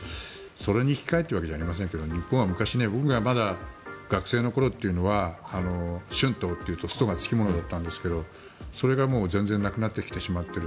それに引き換えというわけではありませんが日本は昔、僕がまだ学生の頃は春闘というとストが付き物だったんですがそれが全然なくなってきてしまっている。